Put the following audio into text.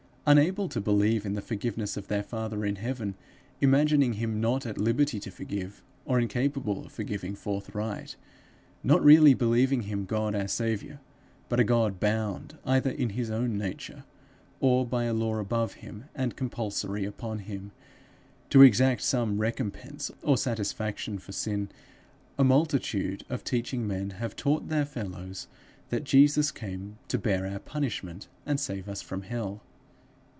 Unable to believe in the forgiveness of their Father in heaven, imagining him not at liberty to forgive, or incapable of forgiving forthright; not really believing him God our Saviour, but a God bound, either in his own nature or by a law above him and compulsory upon him, to exact some recompense or satisfaction for sin, a multitude of teaching men have taught their fellows that Jesus came to bear our punishment and save us from hell.